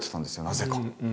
なぜか。